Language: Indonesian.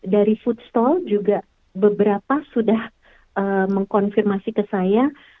dari food stall juga beberapa sudah mengkonfirmasi ke saya